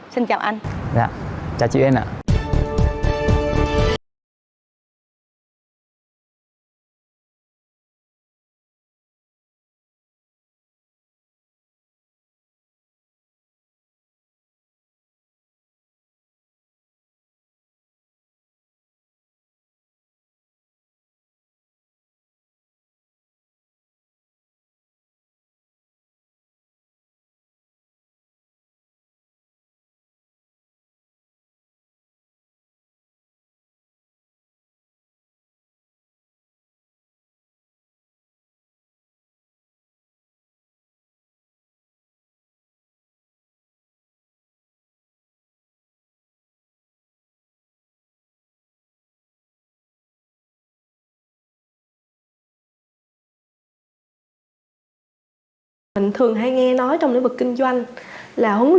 xin chào anh